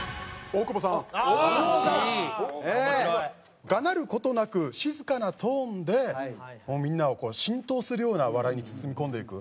大久保さん！がなる事なく静かなトーンでみんなをこう浸透するような笑いに包み込んでいく。